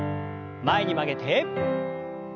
前に曲げて。